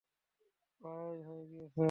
প্রায় হয়ে গিয়েছে।